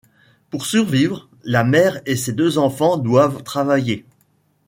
Pour survivre, la mère et ses deux enfants doivent travailler.